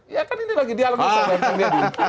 ya kan ini lagi dialognya kang dedy